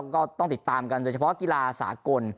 ก็ต้องติดตามกันโดยเฉพาะกีฬาสากล